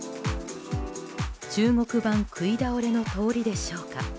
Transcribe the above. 中国版食い倒れの通りでしょうか。